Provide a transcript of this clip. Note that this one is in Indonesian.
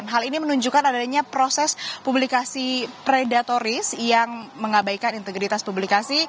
hal ini menunjukkan adanya proses publikasi predatoris yang mengabaikan integritas publikasi